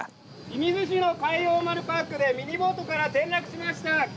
射水市の海洋丸パークでミニボートから転落しました。